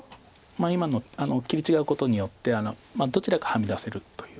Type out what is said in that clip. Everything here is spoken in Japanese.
今の切り違うことによってどちらかはみ出せるという。